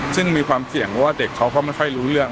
ซึ่งมีความเสี่ยงว่าเด็กเขาเพราะไม่ค่อยรู้เรื่อง